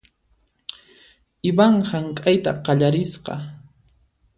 Ivan hank'ayta qallarisqa .